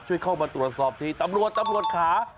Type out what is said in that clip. ช่วยเข้ามาตรวจสอบทีจัดหน้าที่ตำรวจขา